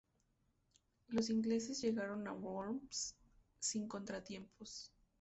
Los ingleses llegaron a Worms sin contratiempos.